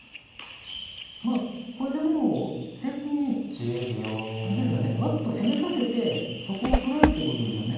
これでもう先手にあれですよねわっと攻めさせてそこを捉えるということでしょうね。